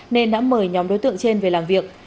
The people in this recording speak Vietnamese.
nên đã mời nhóm đối tượng trên về làm việc